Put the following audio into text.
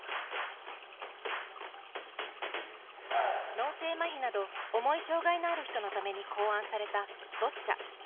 脳性まひなど重い障がいのある人のために考案された、ボッチャ。